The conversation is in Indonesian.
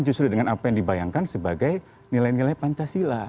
justru dengan apa yang dibayangkan sebagai nilai nilai pancasila